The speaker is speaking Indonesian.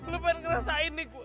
lo pengen ngerasain nih gue